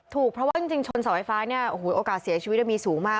ถูกเพราะว่าจริงชนเสาไฟฟ้าเนี่ยโอ้โหโอกาสเสียชีวิตมีสูงมาก